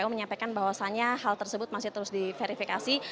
kpu menyampaikan bahwasanya hal tersebut masih terus diverifikasi